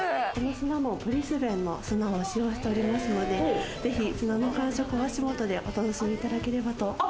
ブリスベンの砂を使用しておりますので、砂の感触を足元でお楽しみいただければと。